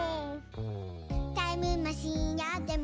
「タイムマシンあっても」